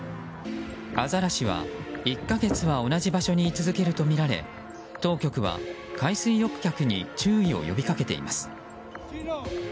アザラシは１か月は同じ場所にい続けるとみられ当局は、海水浴客に注意を呼びかけています。